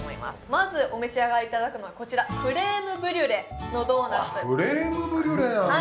まずお召し上がりいただくのはこちらクレームブリュレのドーナツクレームブリュレなんだ！